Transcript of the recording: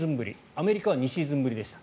アメリカは２シーズンぶりでした。